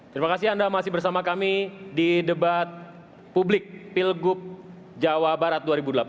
terima kasih anda masih bersama kami di debat publik pilgub jawa barat dua ribu delapan belas